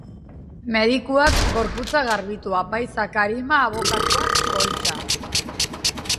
Medikuak gorputza garbitu, apaizak arima, abokatuak poltsa.